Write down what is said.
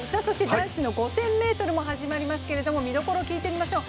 男子の５０００ｍも始まりますけれども、見どころを聞いてみましょう。